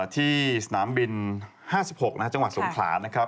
ที่สนามบิน๕๖นะครับจังหวัดสวงขลาดนะครับ